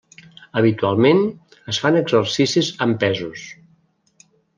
Habitualment, es fan exercicis amb pesos.